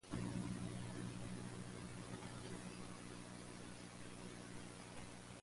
At a very young age she and her family moved to Canada.